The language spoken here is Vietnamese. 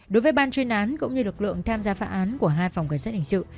đối với ban chuyên án cũng như lực lượng tham gia phá án của hai phòng cảnh sát hình sự